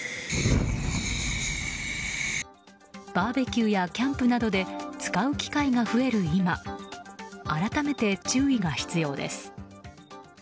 バーベキューやキャンプなどで使う機会が増える今改めて注意が必要です。